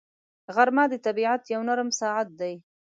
غرمه د طبیعت یو نرم ساعت دی